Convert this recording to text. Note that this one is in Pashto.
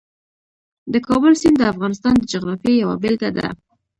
د کابل سیند د افغانستان د جغرافیې یوه بېلګه ده.